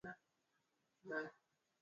Kalamu zao zina wino mwingi